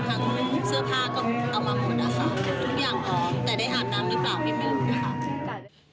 ทั้งเสื้อผ้าก็ต้องมาขนสารทุกอย่างออกแต่ได้หาดน้ำหรือเปล่าไม่มี